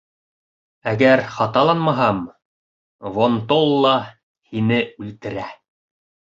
Әгәр хаталанмаһам, Вон-толла һине үлтерә.